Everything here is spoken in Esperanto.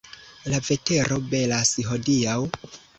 La vetero belas hodiaŭ.